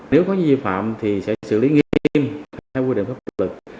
nếu có vi phạm thì sẽ xử lý nghiêm theo quy định pháp luật